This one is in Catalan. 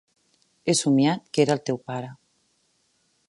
He somiat que era el teu pare.